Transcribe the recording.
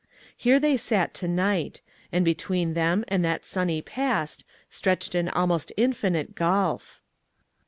Here they sat to night, and between them and that sunny past stretched an almost infinite gulf